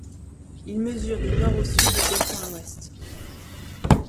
Il mesure du nord au sud et d'est en ouest.